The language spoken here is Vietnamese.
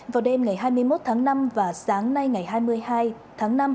vào đêm ngày hai mươi một tháng năm và sáng nay ngày hai mươi hai tháng năm